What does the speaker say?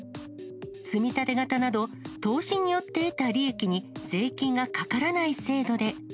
積み立て型など、投資によって得た利益に税金がかからない制度で。